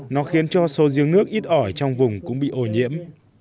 nó khiến cho số riêng nước ít ỏi trong vùng cũng bị ổ nhiễm